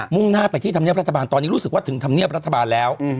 ่งหน้าไปที่ธรรมเนียบรัฐบาลตอนนี้รู้สึกว่าถึงธรรมเนียบรัฐบาลแล้ว